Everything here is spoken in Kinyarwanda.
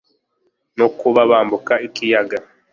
no kuba bambuka ikiyaga